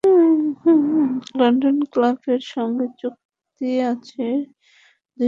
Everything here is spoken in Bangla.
লন্ডনের ক্লাবের সঙ্গে চুক্তি আছে দুই বছরের, মিলানে যাচ্ছেন দুই বছরের জন্য।